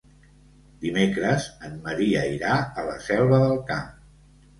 Dimecres en Maria irà a la Selva del Camp.